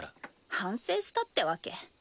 反省したってわけ？